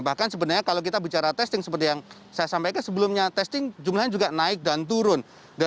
bahkan sebenarnya kalau kita bicara testing seperti yang saya sampaikan sebelumnya testing jumlahnya juga naik dan turun